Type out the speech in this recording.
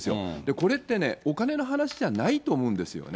これってね、お金の話じゃないと思うんですよね。